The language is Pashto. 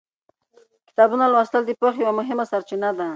کتابونه لوستل د پوهې یوه مهمه سرچینه ده.